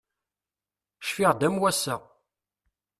Cfiɣ-d am wass-a.